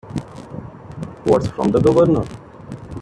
What's from the Governor?